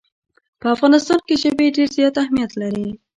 په افغانستان کې ژبې ډېر زیات اهمیت لري.